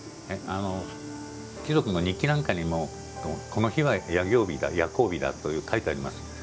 貴族の日記なんかにもこの日は夜行日だと書いてあります。